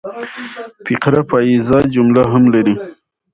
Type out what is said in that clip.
فقره پاییزه جمله هم لري.